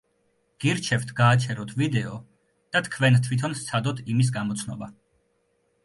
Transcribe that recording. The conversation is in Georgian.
გირჩევთ, გააჩეროთ ვიდეო და თქვენ თვითონ სცადოთ იმის გამოცნობა.